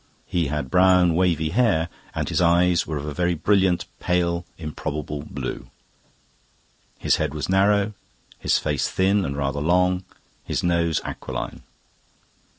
He had brown, wavy hair, and his eyes were of a very brilliant, pale, improbable blue. His head was narrow, his face thin and rather long, his nose aquiline.